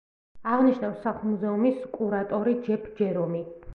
აღნიშნავს სახლ-მუზეუმის კურატორი – ჯეფ ჯერომი.